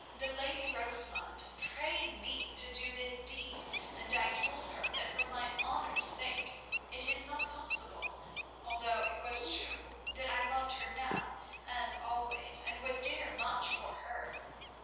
The lady Rosamund prayed me to do this deed, and I told her that for my honour's sake it is not possible, although it was true that I loved her now as always, and would dare much for her.